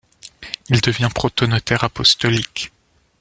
Il devient protonotaire apostolique.